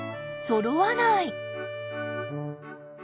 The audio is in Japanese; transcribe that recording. そろわない！